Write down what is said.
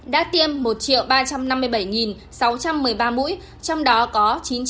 đã tiêm một ba trăm năm mươi bảy sáu trăm một mươi ba mũi trong đó có chín trăm chín mươi